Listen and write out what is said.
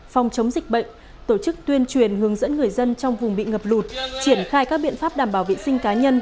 phòng chống dịch bệnh tổ chức tuyên truyền hướng dẫn người dân trong vùng bị ngập lụt triển khai các biện pháp đảm bảo vệ sinh cá nhân